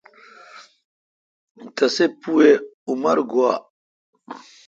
تسی پو اؘ عمر گوا۔